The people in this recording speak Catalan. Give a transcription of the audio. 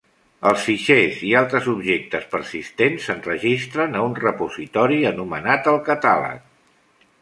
Els fitxers i altres objectes persistents s'enregistren a un repositori anomenat el Catàleg.